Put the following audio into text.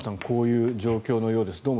こういう状況のようです。